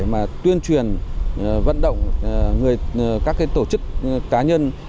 mà tuyên truyền vận động các tổ chức cá nhân